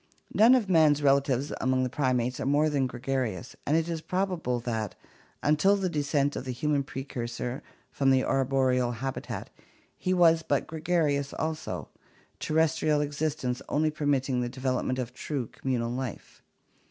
None of man's relatives among the primates are more than gregarious, and it is probable that, until the descent of the human precursor from the arboreal habitat, he was but gregarious also; terrestrial existence only permitting the development of true communal life.